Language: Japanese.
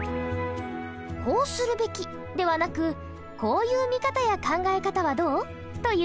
「こうするべき」ではなく「こういう見方や考え方はどう？」という提案ができるといいですね。